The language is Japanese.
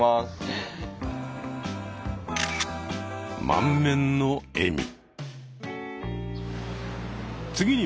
満面の笑み。